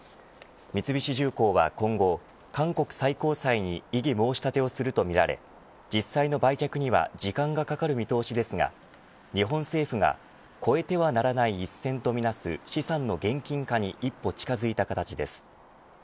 三菱重工は今後韓国最高裁に異議申し立てをするとみられ実際の売却には時間がかかる見通しですが日本政府が超えてはならない一線とみなす資産の現金化に一歩近づいた形です。